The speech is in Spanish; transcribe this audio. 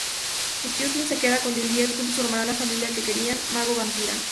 Justin se queda con Juliet, juntos formarán la familia que querían, mago-vampira.